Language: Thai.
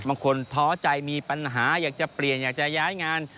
ท้อใจมีปัญหาอยากจะเปลี่ยนอยากจะย้ายงาน